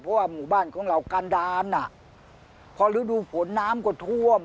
เพราะว่าหมู่บ้านของเราการดานอ่ะพอฤดูฝนน้ำก็ท่วม